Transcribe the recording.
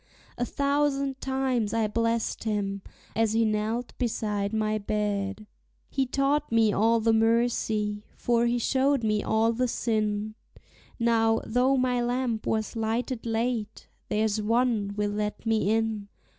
A thousand times I blest him, as he knelt beside my bed. He taught me all the mercy, for he showed me all the sin; Now, though my lamp was lighted late, there's One will let me in.